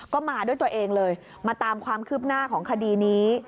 ก็มาด้วยตัวเองเลยมาตามความคืบหน้าของคดีนี้